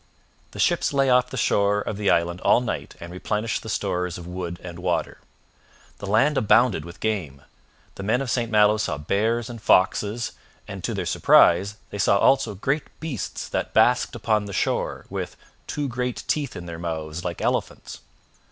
The ships lay off the shore of the island all night and replenished the stores of wood and water. The land abounded with game; the men of St Malo saw bears and foxes, and, to their surprise they saw also great beasts that basked upon the shore, with 'two great teeth in their mouths like elephants.'